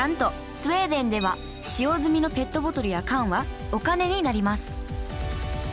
スウェーデンでは使用済みのペットボトルや缶はお金になります！